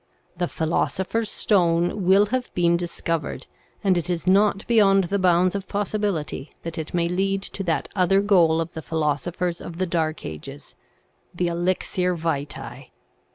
The philosopher's stone will have been dis covered, and it is not beyond the bounds of possibility that it may lead to that other goal of the philosophers of the dark ages the elixir vitos.